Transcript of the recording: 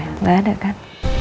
tidak ada kan